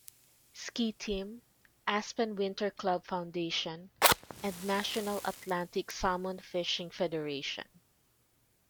Ski Team, Aspen Winterclub Foundation, and National Atlantic Salmon Fishing Federation.